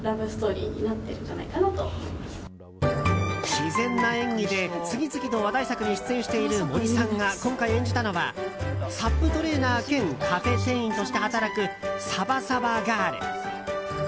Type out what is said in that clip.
自然な演技で次々と話題作に出演している森さんが今回演じたのはＳＵＰトレーナー兼カフェ店員として働くサバサバガール。